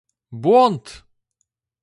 Błąd!